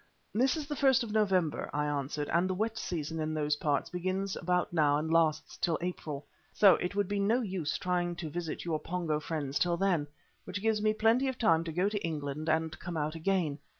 "This is the first of November," I answered, "and the wet season in those parts begins about now and lasts till April. So it would be no use trying to visit your Pongo friends till then, which gives me plenty of time to go to England and come out again.